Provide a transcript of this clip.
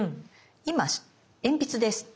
今鉛筆です。